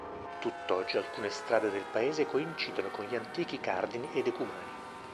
Tutt'oggi alcune strade del paese coincidono con gli antichi cardini e decumani.